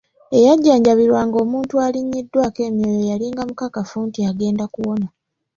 Eyajanjabirwanga omuntu alinnyiddwako emyoyo yalinga mukakafu nti agenda kuwona.